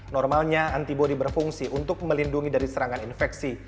normalnya antibody berfungsi untuk melindungi dari serangan infeksi